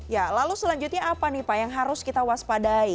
ya lalu selanjutnya apa nih pak yang harus kita waspadai